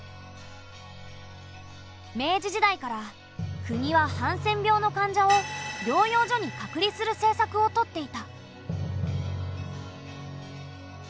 明治時代から国はハンセン病の患者を療養所に隔離する政策をとっていた。